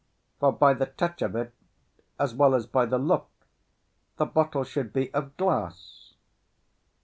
"For by the touch of it, as well as by the look, the bottle should be of glass."